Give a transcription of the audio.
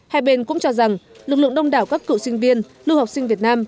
hai bên cũng cho rằng lực lượng đông đảo các cựu sinh viên lưu học sinh việt nam